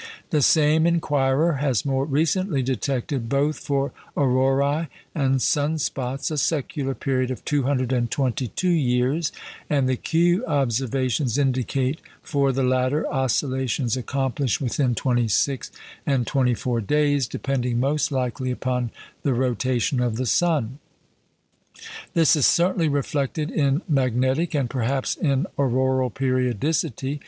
The same inquirer has more recently detected both for auroræ and sun spots a "secular period" of 222 years, and the Kew observations indicate for the latter, oscillations accomplished within twenty six and twenty four days, depending, most likely, upon the rotation of the sun. This is certainly reflected in magnetic, and perhaps in auroral periodicity.